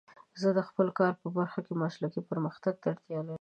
زه د خپل کار په برخه کې مسلکي پرمختګ ته اړتیا لرم.